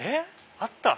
あった？